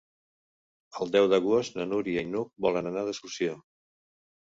El deu d'agost na Núria i n'Hug volen anar d'excursió.